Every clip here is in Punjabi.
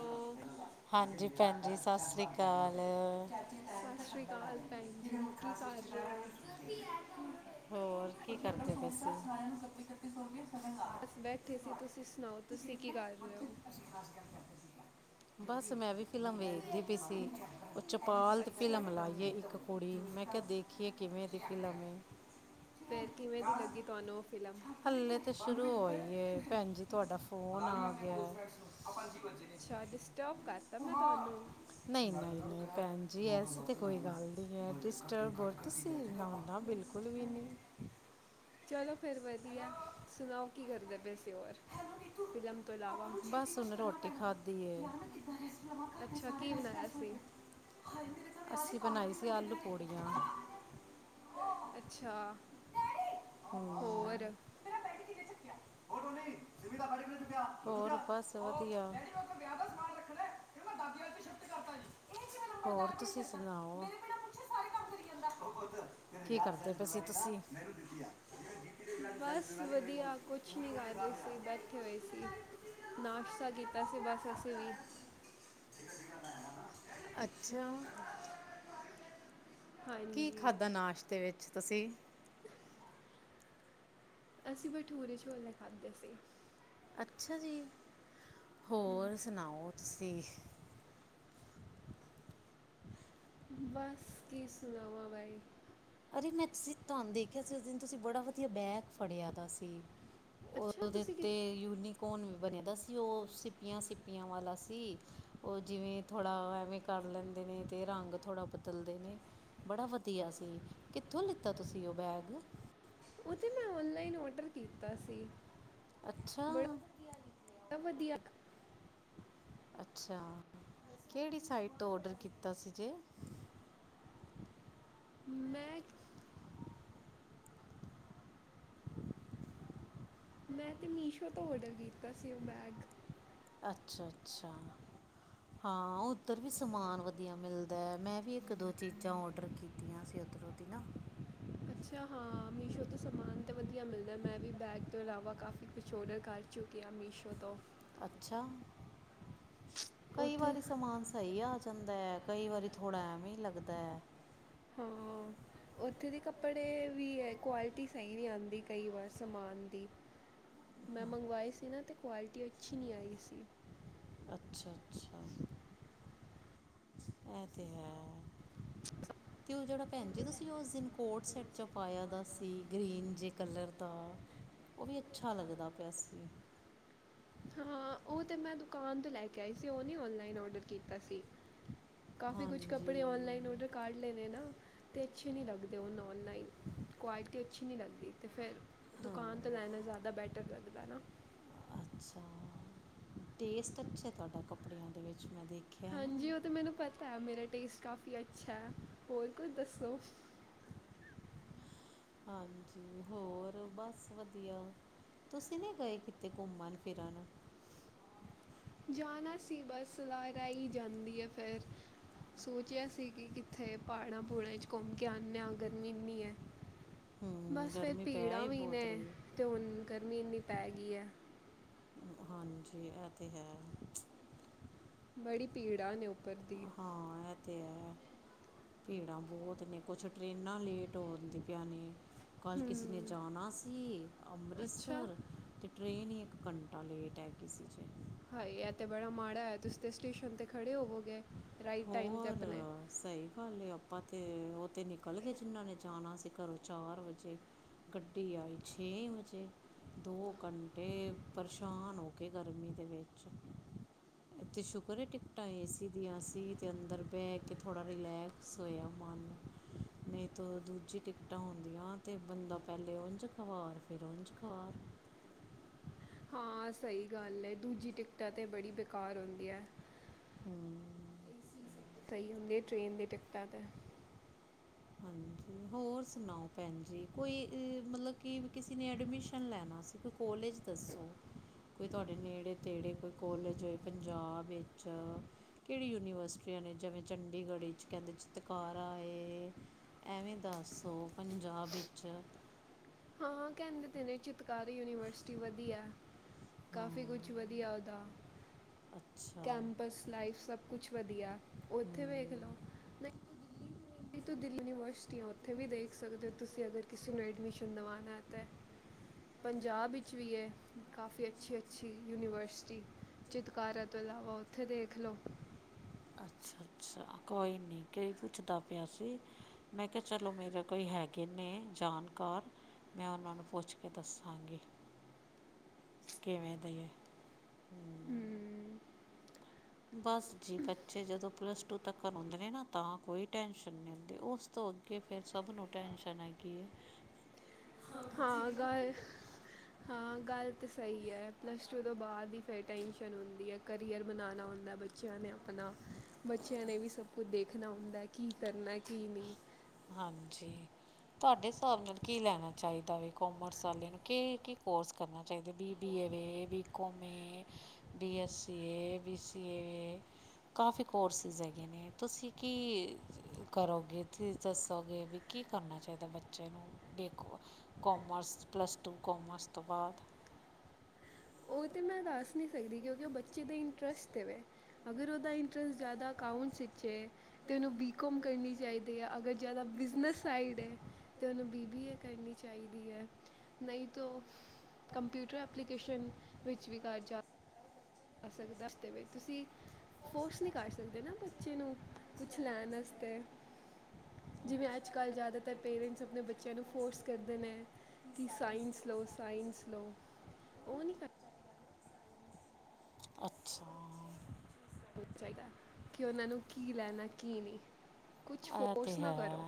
ਹੈਲੋ ਹਾਂਜੀ ਭੈਣ ਜੀ ਸਾਸਰੀ ਕਾਲ। ਸਤਿ ਸ਼੍ਰੀ ਅਕਾਲ ਭੈਣ ਜੀ ਕੀ ਕਰ ਰਹੇ ਹੋ [unintelligible] ਹੋਰ ਕੀ ਕਰਦੇ ਪਏ ਸੀ। ਠੀਕ ਹੋਗੇ। ਬਸ ਬੈਠੇ ਸੀ, ਤੁਸੀਂ ਸੁਣਾਓ ਤੁਸੀਂ ਕੀ ਕਰ ਰਹੇ ਹੋ? [unintelligible] ਬਸ ਮੈਂ ਵੀ ਫਿਲਮ ਵੇਖਦੀ ਪਈ ਸੀ, ਉਹ ਚਪਾਲ ਦੀ ਅੱਛਾ ਫਿਲਮ ਲਾਈਏ ਇੱਕ ਕੁੜੀ ਮੈਂ ਕਿਹਾ ਦੇਖੀਏ ਕਿਵੇਂ ਦੀ ਫਿਲਮ ਐ। ਫਿਰ ਕਿਵੇਂ ਦੀ ਲੱਗੀ ਤੁਹਾਨੂੰ ਓ ਫਿਲਮ ਹਲੇ ਤੇ ਸ਼ੁਰੂ ਹੋਈ ਐ ਭੈਣ ਜੀ ਤੁਹਾਡਾ ਫੋਨ ਆ ਗਿਆ। ਅੱਛਾ ਡਿਸਟਰਬ ਕਰਤਾ ਮੈਂ ਤੁਹਾਨੂੰ। ਨਹੀਂ ਨਹੀਂ ਨਹੀਂ, ਭੈਣ ਜੀ ਐਸੀ ਤਾਂ ਕੋਈ ਗੱਲ ਨੀ ਐ ਡਿਸਟਰਬ ਔਰ ਤੁਸੀਂ ਨਾ ਨਾ ਬਿਲਕੁਲ। ਬਿਲਕੁਲ ਵੀ ਨੀ ਚਲੋ ਫਿਰ ਵਧੀਆ ਸੁਣਾਓ ਕੀ ਕਰਦੇ ਪਏ ਸੀ ਹੋਰ ਫਿਲਮ ਤੋਂ ਇਲਾਵਾ। ਬਸ ਹੁਨ ਰੋਟੀ ਖਾਧੀ ਐ। ਅੱਛਾ ਕੀ ਬਣਾਇਆ ਸੀ ਅਸੀਂ ਬਣਾਈ ਸੀ ਆਲੂ ਪੌੜੀਆਂ। ਅੱਛਾ, ਹੂੰ, [inaudible] ਹੋਰ ਬਸ ਵਧੀਆ। ਹੋਰ ਤੁਸੀ ਸੁਣਾਓ? ਕੀ ਕਰਦੇ ਪਏ ਸੀ ਤੁਸੀਂ? ਜਿਵੇਂ ਜੀਤੀ ਦੇ ਬਲੱਡ ਸੈੱਲ ਬਸ ਬਿਮਾਰੀ ਮੇਰੇ ਕੋਲ ਵਧੀਆ ਸੀ ਕੁਛ ਤੂੰ ਵੀ ਨੀ ਕਰ ਉਹਨੇ ਸਾਹ ਰਹੀ ਲਿਆ ਸੀ ਡੈਡੀ ਬੈਠੇ ਹੋਏ ਕੋਸ਼ਿਸ਼ ਕੀਤੀ ਸੀ ਡੈਡੀ ਤੁਸੀਂ ਵੀ ਲੋ ਸਾਰੇ ਨਾਸ਼ਤਾ ਇੱਥੇ ਨਾ ਕੀਤਾ। ਪਾਓ ਵੈਸੇ ਵਿਆਹ ਬਸ ਸਾਫ ਅਸੀਂ ਕਰਾ ਵੀ ਲੈਣਾ ਤੁਸੀਂ ਅੱਛਾ, ਕੀ ਹਾਂਜੀ ਖਾਧਾ ਨਾਸ਼ਤੇ ਵਿੱਚ ਤੁਸੀਂ ਅਸੀਂ ਭਠੂਰੇ ਝੋਲੇ ਖਾਧੇ ਸੀ। ਅੱਛਾ ਜੀ ਹੋਰ ਸੁਣਾਓ ਤੁਸੀਂ। ਬਸ ਕੀ ਸੁਣਾਵਾ ਵਾਏ। ਅਰੇ ਮੈਂ ਤੁਸੀਂ ਤੁਹਾਨੂੰ ਦੇਖਿਆ ਸੀ ਉਸ ਦਿਨ ਤੁਸੀਂ ਬੜਾ ਵਧੀਆ ਬੈਗ ਫੜਿਆ ਦਾ ਸੀ। ਅੱਛਾ ਉਹਦੇ ਤੁਸੀਂ ਕਿ ਤੇ ਯੂਨੀਕ ਕੌਣ ਬਣੇ ਦਾ ਸੀ ਉਹ ਸਿੱਪੀਆਂ ਸਿੱਪੀਆਂ ਵਾਲਾ ਸੀ ਓ ਜਿਵੇਂ ਥੋੜ੍ਹਾ ਐਵੇਂ ਕਰ ਲੈਂਦੇ ਨੇ ਤੇ ਰੰਗ ਥੋੜ੍ਹਾ ਬਦਲਦੇ ਨੇ ਬੜਾ ਵਧੀਆ ਸੀ। ਕਿੱਥੋਂ ਲਿੱਤਾ ਤੁਸੀਂ ਓ ਬੈਗ ਓ ਤੇ ਮੈਂ ਔਨਲਾਈਨ ਔਡਰ ਕੀਤਾ ਸੀ। ਅੱਛਾ, ਬੜਾ ਵਧੀਆ ਅੱਛਾ ਕਿਹੜੀ ਸਾਈਟ ਤੋਂ ਔਡਰ ਕੀਤਾ ਸੀ ਜੇ ਮੈਂ, ਮੈਂ ਤੇ ਮੀਸ਼ੋ ਤੋਂ ਔਡਰ ਕੀਤਾ ਸੀ ਉਹ ਬੈਗ। ਅੱਛਾ-ਅੱਛਾ ਹਾਂ ਉੱਧਰ ਵੀ ਸਮਾਨ ਵਧੀਆ ਮਿਲਦਾ ਹੈ ਮੈਂ ਵੀ ਇੱਕ ਦੋ ਚੀਜ਼ਾਂ ਆਰਡਰ ਕੀ ਤੀਆਂ ਸੀ ਉਧਰੋਂ ਦੀ ਨਾ। [inaudible] ਅੱਛਾ ਹਾਂ ਮੀਸ਼ੋ ਤੋਂ ਸਮਾਨ ਤੇ ਵਧੀਆ ਮਿਲਦਾ ਮੈਂ ਵੀ ਬੈਗ ਤੋਂ ਇਲਾਵਾ ਕਾਫੀ ਕੁਛ ਔਡਰ ਕਰ ਚੁੱਕਿਆ ਮੀਸ਼ੋ ਤੋ। ਅੱਛਾ ਕਈ ਉੱਥੇ ਵਾਰੀ ਸਮਾਨ ਸਹੀ ਆਜ ਜਾਂਦਾ ਕਈ ਵਾਰੀ ਥੋੜ੍ਹਾ ਐਵੇ ਹੀ ਲੱਗਦਾ। ਹਾਂ ਉੱਥੇ ਦੇ ਕੱਪੜੇ ਵੀ ਹੈ ਕੁਆਲਿਟੀ ਸਹੀ ਨੀ ਆਦੀ ਕਈ ਵਾਰ ਸਮਾਨ ਦੀ। ਮੈਂ ਮੰਗਵਾਏ ਸੀ ਨਾ ਤੇ ਕੁਆਲਿਟੀ ਅੱਛੀ ਨੀ ਆਈ ਸੀ। ਅੱਛਾ-ਅੱਛਾ ਐ ਤੇ ਹੈ। ਤੇ ਉਹ ਜਿਹੜਾ ਭੈਣ ਜੀ ਤੁਸੀਂ ਉਸ ਦਿਨ ਕੋਟ ਸੈਟ ਜਾ ਪਾਇਆ ਦਾ ਸੀ ਗ੍ਰੀਨ ਜੇ ਕਲਰ ਦਾ ਉਹ ਵੀ ਅੱਛਾ ਲੱਗਦਾ ਪਿਆ ਸੀ। ਹਾਂ ਉਹ ਤੇ ਮੈਂ ਦੁਕਾਨ ਤੋਂ ਲੈ ਕੇ ਆਈ ਸੀ ਉਹ ਨੀ ਓਨਲਾਈਨ ਔਡਰ ਕੀਤਾ ਸੀ। ਕਾਫ਼ੀ ਕੁਛ ਹਾਂਜੀ ਕੱਪੜੇ ਔਨਲਾਈਨ ਔਡਰ ਕਰ ਲੈ ਨੇ ਨਾ। ਤੇ ਅੱਛੇ ਨੀ ਲੱਗਦੇ ਉਹਨੂੰ ਔਨਲਾਈਨ ਕੁਆਲਿਟੀ ਅੱਛੀ ਨੀ ਲੱਗਦੀ ਤੇ ਫੇਰ ਹਾਂ ਦੁਕਾਨ ਤੋਂ ਲੈਣਾ ਜਾਦਾ ਬੈਟਰ ਲੱਗਦਾ ਨਾ। ਅੱਛਾ ਟੇਸਟ ਅੱਛਾ ਤੁਹਾਡਾ ਕੱਪੜਿਆ ਦੇ ਵਿੱਚ ਮੈਂ ਦੇਖਿਆ। ਹੈ ਹਾਂਜੀ ਨਾ ਉਹ ਤਾਂ ਮੈਨੂੰ ਪਤਾ ਹੈ ਮੇਰਾ ਟੇਸਟ ਕਾਫ਼ੀ ਅੱਛਾ ਹੋਰ ਕੁਝ ਦੱਸੋ। ਹਾਂਜੀ, ਹੋਰ ਬਸ ਵਧੀਆ। ਤੁਸੀਂ ਨੀ ਗਏ ਕਿਤੇ ਘੁੰਮਣ ਫਿਰਨ। ਜਾਣਾ ਸੀ ਬੱਸ ਸਲਾਹ ਰਹਿ ਹੀ ਜਾਂਦੀ ਹੈ ਫੇਰ। ਸੋਚਿਆ ਸੀ ਕਿ ਕਿੱਥੇ ਪਹਾੜਾਂ ਪੂੜਾਂ ਚ ਘੁੰਮ ਕੇ ਆਨੇ ਆ ਗਰਮੀ ਇੰਨੀ ਏ। ਹੂੰ ਬਸ ਫੇਰ ਗਰਮੀ ਪੈ ਭੀੜਾਂ ਹੀ ਵੀ ਬਹੁਤ ਨੇ ਰਹੀ ਹੈ ਤੇ ਹੁਣ ਕਰਨੀ ਇੰਨੀ ਪੈ ਗਈ ਹੈ। ਹਾਂਜੀ ਇਹ ਤਾਂ ਹੈ। ਬੜੀ ਪੀੜਾਂ ਨੇ ਉੱਪਰ ਦੀ। ਹਾਂ ਇਹ ਤੇ ਹੈ। ਭੀੜਾਂ ਬਹੁਤ ਨੇ ਕੁਛ ਟਰੇਨਾਂ ਲੇਟ ਹੁੰਦੀ ਪਈਆ ਨੇ। ਕੱਲ੍ਹ ਕਿਸੇ ਨੇ ਹਮ ਜਾਣਾ ਸੀ ਅੱਛਾ ਅੰਮ੍ਰਿਤਸਰ ਤੇ ਟ੍ਰੇਨ ਹੀ ਇੱਕ ਘੰਟਾ ਲੇਟ ਹੈਗੀ ਸੀ ਜੇ। ਹਾਈ ਇਹ ਤੇ ਬੜਾ ਮਾੜਾ ਹੈ ਤੁਸੀ ਤੇ ਸਟੇਸ਼ਨ ਤੇਤੇ ਖੜੇ ਹੋਵੋਗੇ ਰਾਈਟ ਟਾਈਮ ਤੇ ਹੋਰ ਆਪਣੇ। ਸਹੀ ਗੱਲ ਹੈ ਆਪਾਂ ਤਾਂ ਉਹ ਤਾਂ ਨਿਕਲ ਗਏ ਜਿਨ੍ਹਾਂ ਨੇ ਜਾਣਾ ਸੀ ਘਰੋਂ ਚਾਰ ਵਜੇ। ਗੱਡੀ ਆਈ ਛੇ ਵਜੇ। ਦੋ ਘੰਟੇ ਪਰੇਸ਼ਾਨ ਹੋ ਕੇ ਗਰਮੀ ਦੇ ਵਿੱਚ। ਐ ਤੇ ਸ਼ੁਕਰ ਏ ਟਿਕਟਾਂ ਏ ਸੀ ਦੀਆ ਸ ਤੇ ਅੰਦਰ ਬਹਿ ਕੇ ਥੋੜਾ ਰਿਲੈਕਸ ਹੋਇਆ ਮਨ ਨਹੀਂ ਤਾ ਦੂਜੀ ਟ ਟਾਂ ਹੁੰਦੀਆਂ ਤੇ ਬੰਦਾ ਪਹਿਲੇ ਉੰਝ ਖਵਾਰ ਫਿਰ ਉੰਝ ਖਾਰ। ਹਾਂ ਸਹੀ ਗੱਲ ਹੈ ਦੂਜੀ ਟਿਕਟਾ ਤਾ ਬੜੀ ਬੇਕਾਰ ਹੁੰਦੀਆ। ਹਮ ਪਹੀ ਹੁੰਦੇ ਟ੍ਰੇਨ ਦੀ ਟਿਕਟਾਂ ਤੇ। [inaudible] ਹਾਂਜੀ ਹੋਰ ਸੁਣਾਓ ਭੈਣ ਜੀ ਕੋਈ ਮਤਲਬ ਕਿ ਕਿਸੇ ਨੇ ਐਡਮਿਸ਼ਨ ਲੈਣਾ ਸੀ ਕੁ ਕੋਲੇਜ ਦੱਸੋ। ਕੋਈ ਤੁਹਾਡੇ ਨੇੜੇ-ਤੇੜੇ ਕੋਈ ਕੋਲਜ ਹੋਏ ਪੰਜਾਬ ਵਿੱਚ ਕਿਹੜੀ ਯੂਨੀਵਰਸਿਟੀਆਂ ਨੇ ਜਿਵੇਂ ਚੰਡੀਗੜ੍ਹ ਚ ਕਹਿੰਦੇ ਚਿਤਕਾਰਾ ਐ। ਐਵੇਂ ਦੱਸੋ ਪੰਜਾਬ ਵਿੱਚ ਹਾਂ ਕਹਿੰਦੇ ਤੇ ਨੇ ਚਿਤਕਾਰੀ ਯੂਨੀਵਰਸਿਟੀ ਵਧੀਆ ਏ। ਕਾਫੀ ਕੁਛ ਵਧੀਆ ਉਹਦਾ, ਅੱਛਾ ਕੈਂਪਸ ਲਾਈਫ ਸਭ ਕੁਛ ਵਧੀਆ, ਉੱਥੇ ਵੇਖ ਹੂੰ ਲਉ। ਤੋਂ ਦਿੱਲੀ ਯੂਨੀਵਰਸਿਟੀ ਆ ਉੱਥੇ ਵੀ ਦੇਖ ਸਕਦੇ ਹੋ ਤੁਸੀਂ ਅਗਰ ਕਿਸੇ ਨੂੰ ਐਡਮਿਸ਼ਨ ਦਵਾਣਾ ਐ ਤਾਂ ਪੰਜਾਬ ਵਿੱਚ ਵੀ ਐ ਕਾਫੀ ਅੱਛੀ-ਅੱਛੀ ਯੂਨੀਵਰਸਿਟੀ ਚਿਤਕਾਰਾਂ ਤੋਂ ਇਲਾਵਾ ਉੱਥੇ ਦੇਖ ਲਓ। ਅੱਛਾ [inaudible] ਅੱਛਾ ਕੋਈ ਨੀ ਕੀ ਪੁੱਛਦਾ ਪਿਆ ਸੀ? ਮੈਂ ਕਿਹਾ ਚਲੋ ਮੇਰੇ ਕੋਈ ਹੈਗੇ ਨੇ ਜਾਣਕਾਰ ਮੈਂ ਉਹਨਾਂ ਨੂੰ ਪੁੱਛ ਕੇ ਦੱਸਾਂਗੀ। ਕਿਵੇਂ ਦਈ ਐ, ਹੂੰ, ਬਸ ਜੀ ਬੱਚੇ ਜਦੋਂ ਪਲੱਸ ਟੂ ਤੱਕ ਕਰਾਦੇ ਨੇ ਨਾ, ਤਾਂ ਕੋਈ ਟੈਸ਼ਨ ਨੀ ਹੁੰਦੀ ਉਸ ਤੋਂ ਅੱਗੇ ਫਿਰ ਸਭ ਨੂੰ ਟੈਸ਼ਨ ਹੈਗੀ ਐ। ਹਾਂ ਗਏ। ਹਾਂ ਗੱਲ ਤਾਂ ਸਹੀ ਐ ਪਲੱਸ ਟੂ ਤੋਂ ਬਾਅਦ ਹੀ ਫੇਰ ਟੈਨਸ਼ਨ ਹੁੰਦੀ ਐ। ਕਰੀਅਰ ਬਣਾਉਣਾ ਹੁੰਦਾ ਬੱਚਿਆਂ ਨੇ ਆਪਣਾ ਬੱਚਿਆਂ ਨੇ ਵੀ ਸਭ ਕੁਝ ਦੇਖਣਾ ਹੁੰਦਾ ਐ ਕੀ ਕਰਨਾ ਕੀ ਨਹੀਂ। ਹਾਂਜੀ, ਤੁਹਾਡੇ ਹਿਸਾਬ ਨਾਲ ਕੀ ਲੈਣਾ ਚਾਹੀਦਾ ਵੇ ਕੋਮਰਸ ਵਾਲੇ ਨੂੰ ਕਿ ਕੀ ਕੋਰਸ ਕਰਨੇ ਚਾਹੀਦੇ ਵੀ B B A, B com A B S E A, B C A. ਕਾਫੀ ਕੋਰਸਿਸ ਹੈਗੇ ਨੇ ਤੁਸੀਂ ਕੀ ਕਰੋਗੇ, ਤੇ ਦੱਸੋਗੇ ਵੀ ਕੀ ਕਰਨਾ ਚਾਈਦੈ ਬੱਚੇ ਨੂੰ? ਦੇਖੋ ਕੋਮਰਸ, ਪਲੱਸ ਟੂ ਕੋਮਰਸ ਤੋਂ ਬਾਦ। ਔਈ ਤੇ ਮੈਂ ਦੱਸ ਨੀ ਸਕਦੀ ਕਿਉਂਕਿ ਓਹ ਬੱਚੇ ਦੇ ਇੰਟਰਸਟ ਤੇ ਵੇ। ਅਗਰ ਓਦਾ ਇੰਟਰਸਟ ਜਿਆਦਾ ਅਕਾਊਂਟਸ ਵਿਚ ਏ ਤੇ ਉਨੂੰ ਬੀਕੋਮ ਕਰਨੀ ਚਾਈਦੀ ਆ, ਅਗਰ ਜੈਦਾ ਬਿਜ਼ਨਸ ਸਾਈਡ ਏ ਤੇ ਉਨੂੰ ਬੀ ਬੀ ਏ ਕਰਨੀ ਚਾਈਦੀ ਐ ਨਹੀਂ ਤੋ ਕੰਪਿਊਟਰ ਐਪਲੀਕੇਸ਼ਨ ਵਿੱਚ ਵੀ ਕਰ ਜਾ ਆ ਸਕਦਾ ਤੇ ਵੇ ਤੁਸੀਂ ਫੋਰਸ ਨੀ ਕਰ ਸਕਦੇ ਨਾ ਬੱਚੇ ਨੂੰ ਕੁਛ ਲੈਣ ਅਸਤੇ। ਜਿਵੇਂ ਅੱਜ-ਕੱਲ੍ਹ ਜ਼ਿਆਦਾਤਰ ਪੇਰੈਂਟਸ ਅਪਣੇ ਬੱਚਿਆਂ ਨੂੰ ਫੋਰਸ ਕਰਦੇ ਨੇ। ਕਿ ਸਾਇੰਸ ਲੋ ਸਾਇੰਸ ਲੋ ਓ ਨੀ ਕਰ ਅੱਛਾ। ਜੋ ਚਾਈਦਾ ਕਿ ਓਨਾਂ ਨੂੰ ਕੀ ਲੈਣਾ ਕੀ ਨੀ ਕੁਛ ਇਹ ਤੇ ਫੋਰਸ ਨਾ ਹੈ ਕਰੋ।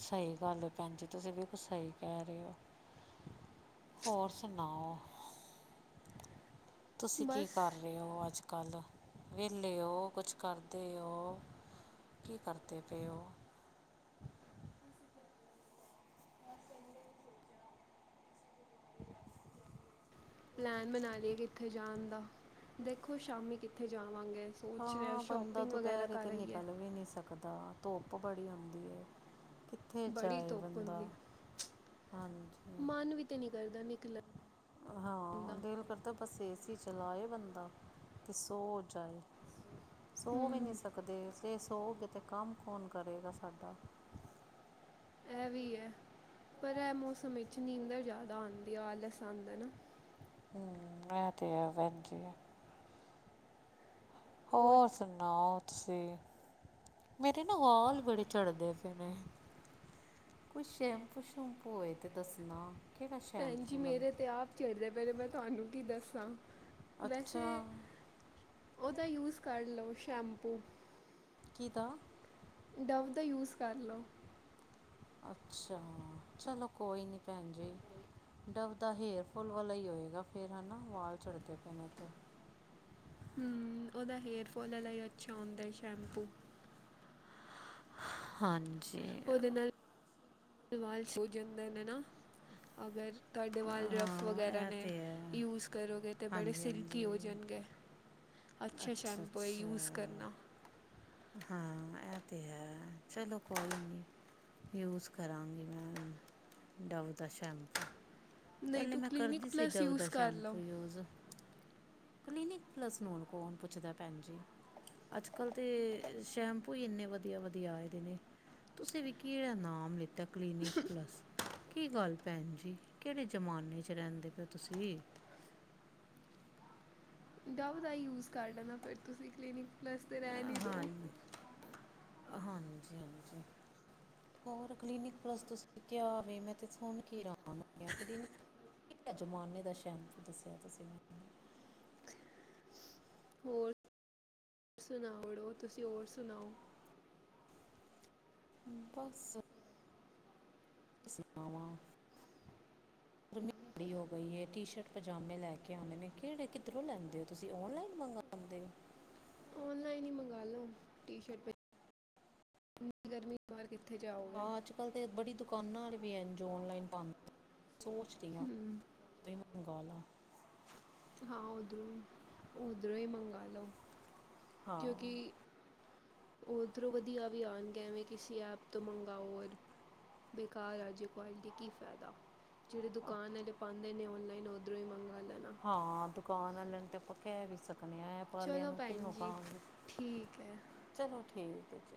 ਸਹੀ ਗੱਲ ਏ ਭੈਣ ਜੀ ਤੁਸੀਂ ਬਿਲਕੁਲ ਸਹੀ ਕੈ ਰੇ ਔ। ਹੋਰ ਸੁਣਾਓ? ਤੁਸੀਂ ਕੀ ਬਸ ਕਰ ਰੇ ਔ ਅੱਜ-ਕੱਲ, ਵੇਲੇ ਔ ਕੁਛ ਕਰਦੇ ਔ? ਕੀ ਕਰਦੇ ਪਏ ਔ? ਪਲੈਨ ਬਣਾ ਲੀਏ ਕਿੱਥੇ ਜਾਣ ਦਾ, ਦੇਖੋ ਸ਼ਾਮੀ ਕਿੱਥੇ ਜਾਵਾਂਗੇ ਅਸੀਂ। ਹਾਂ, ਬੰਦਾ ਦੁਪਹਿਰੇ ਤੇ ਨਿਕਲ ਵੀ ਨੀ ਸਕਦਾ ਧੂੰਪ ਬੜੀ ਹੁੰਦੀ ਏ। ਕਿੱਥੇ ਬੜੀ ਜਾਏ ਧੁੱਪ ਬੰਦਾ, ਹੁੰਦੀ ਹੈ। ਹਾਂਜੀ। ਮਨ ਵੀ ਤੇ ਨੀ ਕਰਦਾ ਨਿਕਲਣ ਹਾਂ, ਦਾ ਦੇਲ ਕਰਦਾ ਬਸ ਏ ਸੀ ਚਲਾਏ ਬੰਦਾ ਤੇ ਸੌ ਜਾਏ। ਸੋ ਵੀ ਨੀ ਹੂੰ ਸਕਦੇ ਸੇ ਸੋਗੇ ਤੇ ਕਾਮ ਕੌਨ ਕਰੇਗਾ ਸਾਡਾ। ਐਵੀ ਐ ਪਰ ਐਹ ਮੌਸਮ ਇਚ ਨੀਂਦਰ ਜਾਦਾ ਆਂਦੀ ਆ, ਆਲਸ ਆਂਦਾ ਏ ਨਾ। ਹੂੰ ਐ ਤੇ ਆ ਵੈਜੀ। ਹੋਰ ਸੁਣਾਓ, ਤੁਸੀਂ? ਮੇਰੇ ਨਾ ਵਾਲ ਬੜੇ ਚੜ੍ਹਦੇ ਪਏ ਨੇ। ਕੋਈ ਸ਼ੈਮਪੂ ਸ਼ੂਪੂ ਹੋਏ ਤੇ ਦੱਸਨਾ ਕੇੜਾ ਸ਼ੈਮਪੂ ਲੱਭ ਚਰਦੇ ਪਏ ਨੇ ਮੈਂ ਤੁਹਾਨੂੰ ਕੀ ਦੱਸਾਂ, ਅੱਛਾ ਵੈਸੇ ਓਹਦਾ ਯੂਸ ਕਰ ਲਓ ਸ਼ੈਂਪੂ। ਕੀਦਾ? ਡਵ ਦਾ ਯੂਸ ਕਰ ਲੋ। ਅੱਛਾ, ਚਲੋ ਕੋਈ ਨੀ ਪੈਣ ਜੀ। ਡਬ ਦਾ ਹੇਅਰ ਫੋਲ ਵਾਲਾ ਹੀ ਹੋਏਗਾ ਫੇਰ ਹੈਨਾ, ਵਾਲ ਚੜਦੇ ਪਏ ਨੇ ਤੇ। ਹੂੰ, ਓਦਾ ਹੇਅਰਫੋਲ ਆਲਾ ਈ ਅੱਛਾ ਹੋੰਦੈ ਸ਼ੈਂਪੂ। ਹਾਂਜੀ। ਓਦੇ ਨਾਲ ਵੀ ਵਾਲ ਹੋ ਜਾਂਦੇ ਨੇ ਨਾ। ਅਗਰ ਤੁਆਡੇ ਵਾਲ ਰੱਫ ਹਾਂ ਵਗੈਰਾ ਇਹ ਨੇ। ਤੇ ਹੈ ਯੂਸ ਕਰੋਗੇ ਤੇ ਬੜੇ ਹਾਂਜੀ ਸਿਲਕੀ ਹਾਂਜੀ ਔਜਨਗੇ। ਅੱਛੇ ਅੱਛਾ ਸ਼ੈਪੂ ਐ ਯੂਸ ਅੱਛਾ ਕਰਨਾ। ਹਾਂ, ਐ ਤੇ ਹੈ ਚਲੋ ਕੋਈ ਨੀ। ਯੂਸ ਕਰਾਂਗੀ ਮੈਂ ਡਵ ਦਾ ਸ਼ੈਂਪੂ। ਨਹੀਂ ਪੈਲੇ ਤੂੰ ਮੈਂ ਕਲੀਨਿਕ ਕਰਦੀ ਸੀ ਪਲੱਸ ਡਵ ਦਾ ਯੂਜ਼ ਕਰ ਲਓ ਸ਼ੈਂਪੂ ਯੂਜ। ਕਲੀਨਿਕ ਪਲਸ ਨੂੰ ਹੁਣ ਕੌਣ ਪੁੱਛਦਾ ਪੈਣ ਜੀ। ਅੱਜ-ਕੱਲ੍ਹ ਤੇ ਸ਼ੈਂਪੂ ਇ ਏਨੇ ਵਧੀਆ-ਵਧੀਆ ਆਏ ਦੇ ਨੇ। ਤੁਸੀਂ ਵੀ ਕਿੜਾ ਨਾਮ ਲਿੱਤਾ ਕਲੀਨਿਕ ਪਲੱਸ ਕੀ ਗੱਲ ਪੈਣ ਜੀ। ਕੇੜੇ ਜ਼ਮਾਨੇ ਚ ਰੈੰਦੇ ਪਏ ਔ ਤੁਸੀਂ? ਡਵ ਦਾ ਯੂਸ ਕਰ ਲੈਂਣਾ ਫੇਰ ਤੁਸੀਂ ਕਲੀਨਿਕ ਪਲੱਸ ਤੇ ਰੈਣ ਈ ਦੋ। ਅ ਹਾਂਜੀ-ਹਾਂਜੀ। ਹੋਰ ਕਲੀਨਿਕ ਪਲਸ ਤੁਸੀਂ ਕੇਆ ਵੇ, ਮੈਂ ਤੇ ਸੁਣ ਕੇ ਹੀ ਹਰਾਨ [unintelligible] ਕੇੜੇ ਜਮਾਨੇ ਦਾ ਸ਼ੈਂਪੂ ਦੱਸਿਆ ਤੁਸੀ ਮੈਨੂੰ ਹੋਰ ਸੁਣਾ ਉੜੋ ਤੁਸੀਂ ਹੋਰ ਸੁਣਾਓ। ਬਸ ਅ। ਸੁਣਾਵਾਂ। [inaudible] [inaudible] ਗਰਮੀ ਹੋ ਗਈ ਏ ਟੀ ਸ਼ਰਟ ਪਜਾਮੇ ਲੈ ਕੇ ਆਨੇ ਨੇ ਕੇਹੜੇ ਕਿੱਧਰੋਂ ਲੈਂਦੇ ਹੋ ਤੁਸੀਂ ਓਨਲਾਈਨ ਮੰਗ ਹੁੰਦੇ। ਔਨਲਾਈਨ ਇ ਮੰਗਾਲੋ ਟੀ ਸ਼ਰਟ ਪਜਾਮੇ। ਏਨੀ ਗਰਮੀ ਚ ਬਾਰ ਕਿੱਥੇ ਜਾਓ? ਹਾਂ ਅੱਜ ਕੱਲ ਤਾਂ ਬੜੀ ਦੁਕਾਨਾਂ ਵਾਲੇ ਵੀ ਐ ਜੋ ਔਨਲਾਈਨ ਪਾਦੇ ਸੋਚਦੀਆਂ। ਹਮ ਕੱਪੜੇ ਮੰਗਾ ਲਾ। ਹਾਂ ਉੱਧਰੋਂ ਇ, ਉੱਧਰੋਂ ਇ ਮੰਗਾ ਲਓ। ਹਾਂ ਕਿਉਂਕਿ ਓਧਰੋਂ ਵਧੀਆ ਵੀ ਆਨਗੇ ਐਵੇਂ ਕਿਸੀ ਐਪ ਤੋਂ ਮੰਗਾਓ ਬੇਕਾਰ ਆਜੇ ਕੁਆਲਟੀ ਕੀ ਫ਼ੈਦਾ। ਜੇੜੇ ਦੁਕਾਨ ਆਲੇ ਪਾਂਦੇ ਨੇ ਔਨਲਾਈਨ ਓਧਰੋਂ ਈ ਮੰਗਵਾ ਲੈਨਾ। ਹਾਂ ਦੁਕਾਨ ਆਲਿਆਂ ਨੂੰ ਤੇ ਆਪਾਂ ਕੈ ਵੀ ਸਕਨੇ ਆਂ। ਔਨਲਾਈਨ ਵਾਲਿਆਂ ਚਲੋ ਨੂੰ ਭੈਣ ਕਿਨੂੰ ਜੀ ਕਹਾਂ, ਠੀਕ ਹੈ ਚਲੋ ਠੀਕ ਐ ਜੀ।